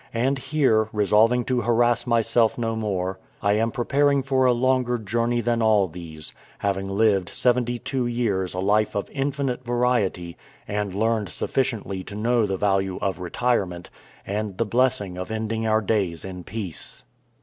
And here, resolving to harass myself no more, I am preparing for a longer journey than all these, having lived seventy two years a life of infinite variety, and learned sufficiently to know the value of retirement, and the blessing of ending our days in peace.